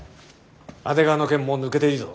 阿出川の件もう抜けていいぞ。